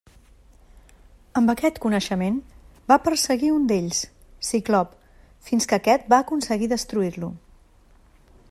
Amb aquest coneixement, va perseguir un d'ells, Ciclop, fins que aquest va aconseguir destruir-lo.